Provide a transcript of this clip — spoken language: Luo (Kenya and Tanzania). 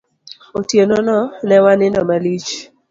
Otieno no, ne wanindo malich.